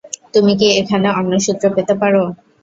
তুমি কি এখানে অন্য সূত্র পেতে পার?